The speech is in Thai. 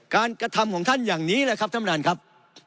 กระทำของท่านอย่างนี้แหละครับท่านประธานครับ